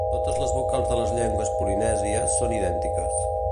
Totes les vocals de les llengües polinèsies són idèntiques.